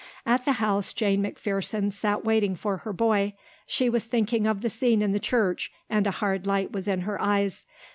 At the house Jane McPherson sat waiting for her boy. She was thinking of the scene in the church and a hard light was in her eyes.